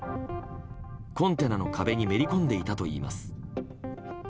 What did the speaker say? コンテナの壁にめり込んでいたといいます。